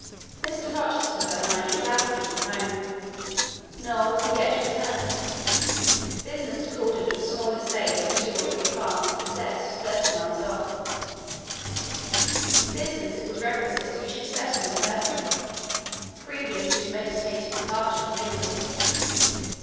Mr. Rochester that night was absent from home; nor was he yet returned: business had called him to a small estate of two or three farms he possessed thirty miles off—business it was requisite he should settle in person, previous to his meditated departure from England.